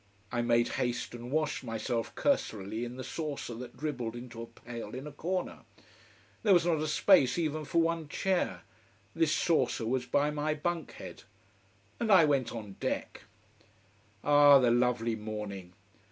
I made haste and washed myself cursorily in the saucer that dribbled into a pail in a corner: there was not space even for one chair, this saucer was by my bunk head. And I went on deck. Ah the lovely morning!